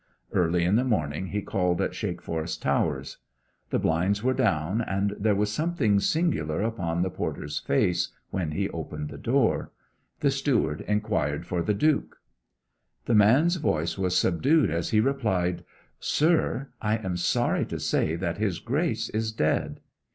Early in the morning he called at Shakeforest Towers. The blinds were down, and there was something singular upon the porter's face when he opened the door. The steward inquired for the Duke. The man's voice was subdued as he replied: 'Sir, I am sorry to say that his Grace is dead!